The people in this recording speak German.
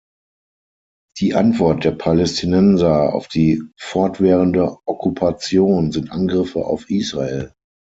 Die Antwort der Palästinenser auf die fortwährende Okkupation sind Angriffe auf Israel.